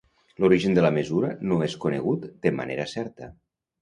L'origen de la mesura no és conegut de manera certa.